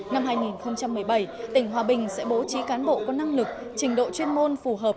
năm hai nghìn một mươi bảy tỉnh hòa bình sẽ bố trí cán bộ có năng lực trình độ chuyên môn phù hợp